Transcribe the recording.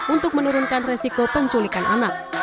untuk menurunkan resiko penculikan anak